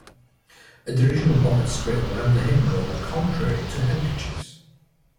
A traditional pocket square will have the hem rolled, contrary to handkerchiefs.